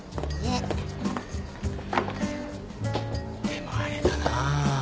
でもあれだな。